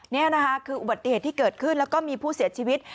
นี่นะคะคืออุบัติเหตุที่เกิดขึ้นแล้วก็มีผู้เสียชีวิต